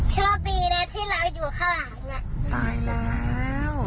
ชอบดีนะที่เราอยู่ข้างหลัง